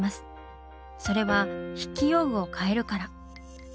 それは筆記用具を変えるから。